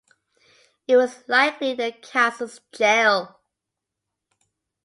It was likely the castle's jail.